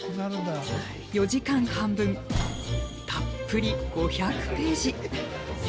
４時間半分たっぷり５００ページ。